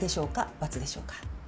×でしょうか？